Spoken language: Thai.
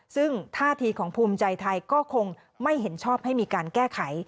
ซึ่งท่าทีของภูมิใจไทยก็คงไม่เห็นชอบให้มีการแก้ไข